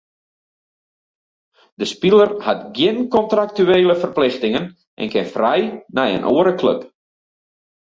De spiler hat gjin kontraktuele ferplichtingen en kin frij nei in oare klup.